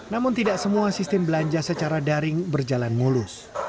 namun tidak semua sistem belanja secara daring berjalan mulus